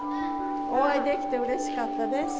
お会いできてうれしかったです。